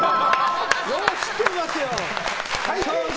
よう知ってますよ！